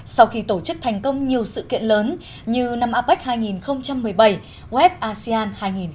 sau khi tổ chức thành công nhiều sự kiện lớn như năm apec hai nghìn một mươi bảy web asean hai nghìn một mươi tám